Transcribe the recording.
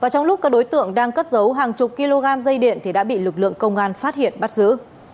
trong lúc các đối tượng đang cất giấu hàng chục kg dây điện thì đã bị lực lượng công an phát hiện bắt giữ